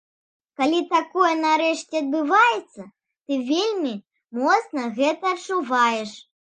Калі такое нарэшце адбываецца, ты вельмі моцна гэта адчуваеш.